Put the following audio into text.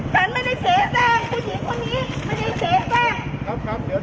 ฉันไม่ได้เสียแสงกฎหญิงคนนี้มันไม่ได้เสียแสง